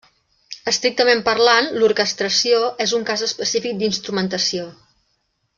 Estrictament parlant, l'orquestració és un cas específic d'instrumentació.